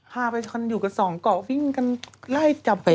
พาไปอยู่กับสองเกาะวิ่งกันไล่จับ